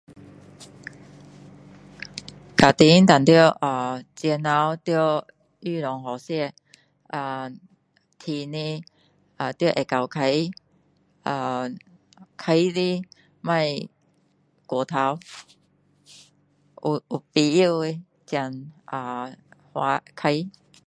家庭当然啊钱头要预算清楚呃赚的要会够花呃花的不要过头有有必要的才啊花花